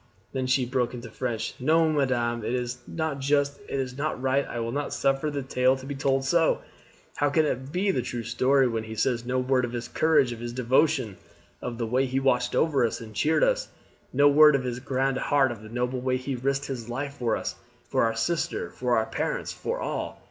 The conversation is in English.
Then she broke into French, "No, madame, it is not just, it is not right; I will not suffer the tale to be told so. How can it be the true story when he says no word of his courage, of his devotion, of the way he watched over us and cheered us, no word of his grand heart, of the noble way he risked his life for us, for our sister, for our parents, for all?